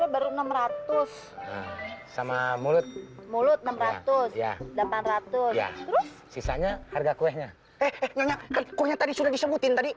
dua ratus dua ratus baru enam ratus ha sama mulut mulut enam ratus ya delapan ratus austin nah harga kuenya ternyata